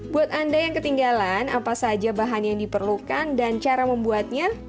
buat anda yang ketinggalan apa saja bahan yang diperlukan dan cara membuatnya